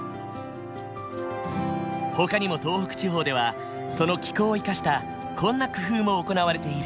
ほかにも東北地方ではその気候を生かしたこんな工夫も行われている。